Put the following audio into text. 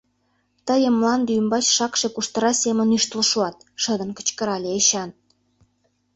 «Тыйым мланде ӱмбач шакше куштыра семын ӱштыл шуат!» — шыдын кычкырале Эчан.